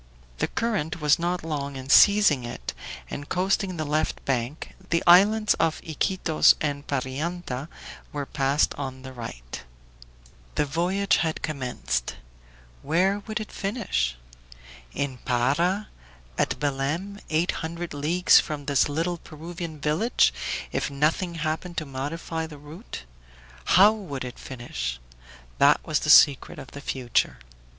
The current was not long in seizing it, and coasting the left bank, the islands of Iquitos and Parianta were passed on the right. The voyage had commenced where would it finish? In Para, at Belem, eight hundred leagues from this little Peruvian village, if nothing happened to modify the route. How would it finish? That was the secret of the future.